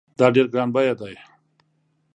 دا ډېر ګران بیه دی